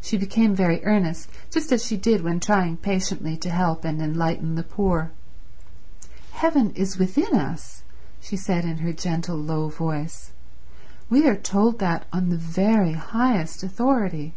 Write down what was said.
She became very earnest, just as she did when trying patiently to help and enlighten the poor. "Heaven is within us," she said in her gentle low voice. "We are told that on the very highest authority.